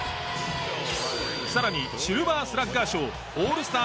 さらにシルバースラッガー賞オールスター